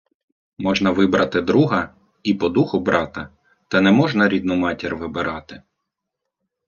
Можна вибрати друга і по духу брата, та не можна рідну матір вибирати